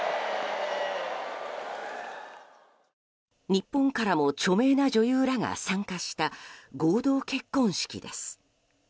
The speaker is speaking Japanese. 日本からも著名な女優らが参加した合同結婚式です。